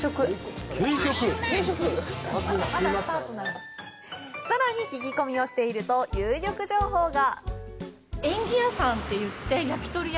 でもさらに聞き込みをしていると有力情報が。